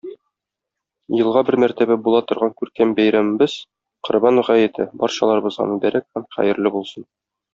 Елга бер мәртәбә була торган күркәм бәйрәмебез- Корбан гаете барчаларыбызга мөбарәк һәм хәерле булсын!